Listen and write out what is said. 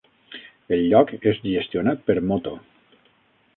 El lloc és gestionat per Moto.